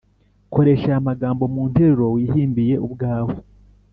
koresha aya magambo mu nteruro wihimbiye ubwawe